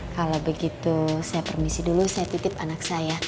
kalau begitu saya permisi dulu saya titip anak saya